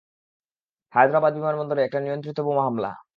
হায়দ্রাবাদ বিমানবন্দরে একটা নিয়ন্ত্রিত বোমা হামলা।